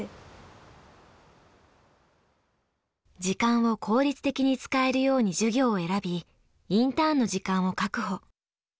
時間を効率的に使えるように授業を選びインターンの時間を確保。